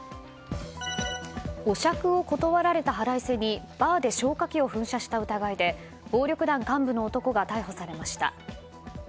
お酌を断られた腹いせにバーで消火器を噴射させた疑いで暴力団幹部の男が逮捕されました。